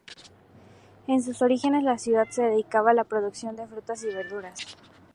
En sus orígenes, la ciudad se dedicaba a la producción de frutas y verduras.